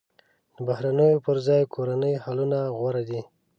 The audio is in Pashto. د بهرنیو پر ځای کورني حلونه غوره دي.